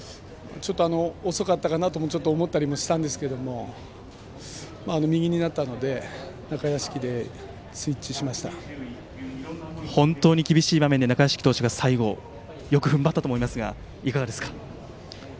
ちょっと遅かったかなとも思ったりもしたんですけども右になったので本当に厳しい場面で中屋敷投手が最後よくふんばったと思いますがいかがですか？